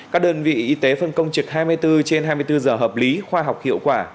các đơn vị y tế phân công trực hai mươi bốn trên hai mươi bốn giờ hợp lý khoa học hiệu quả